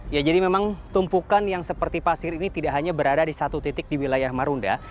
ya jadi memang tumpukan yang seperti pasir ini tidak hanya berada di satu titik di wilayah marunda